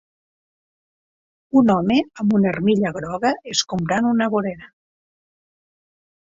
Un home amb una armilla groga escombrant una vorera.